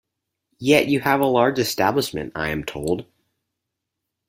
Yet you have a large establishment, I am told?